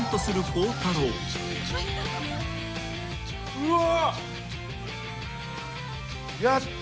うわ！